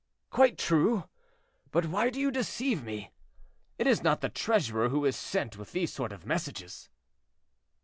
"Quite true; but why do you deceive me? It is not the treasurer who is sent with these sort of messages."